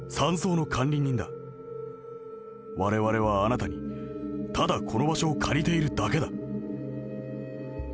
「『我々はあなたにただこの場所を借りているだけだ』。